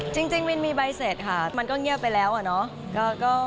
จริงวินมีใบเสร็จค่ะมันก็เงียบไปแล้วอะเนาะ